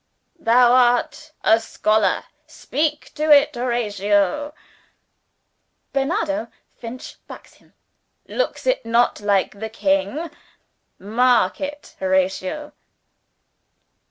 "Thou art a scholar, speak to it, Horatio." Bernardo Finch backs him: "Looks it not like the King? Mark it, Horatio."